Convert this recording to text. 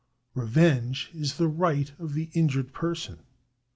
Revenge is the right of the injured person.